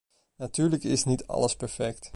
Natuurlijk is niet alles perfect.